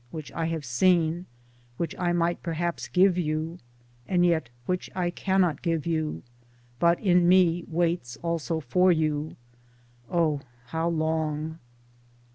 — which I have seen, 74 Towards Democracy which I might perhaps give you : and yet which I cannot give you, but in me waits also for you — O how long?